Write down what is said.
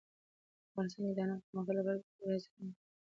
افغانستان کې د انارو د پرمختګ لپاره ګټورې هڅې روانې دي.